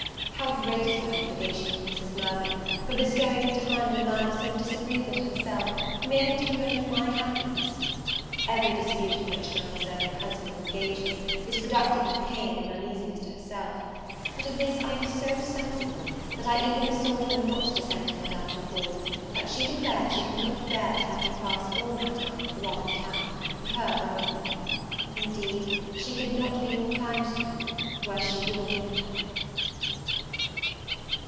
How great is my obligation to Mrs. Mirvan, for bestowing her time in a manner so disagreeable to herself, merely to promote my happiness! Every dispute in which her undeserving husband engages, is productive of pain and uneasiness to herself; of this I am so sensible, that I even besought her not to send to Madame Duval; but she declared she could not bear to have me pass all my time, while in town, with her only. Indeed she could not be more kind to me, were she your daughter.